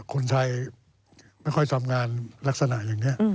คนไทยไม่ค่อยทำงานลักษณะอย่างนี้